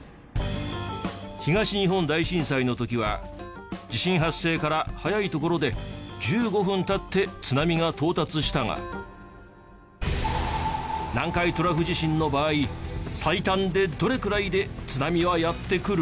東日本大震災の時は地震発生から早い所で１５分経って津波が到達したが南海トラフ地震の場合最短でどれくらいで津波はやって来る？